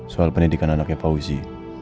soal pendidikan anaknya fauzi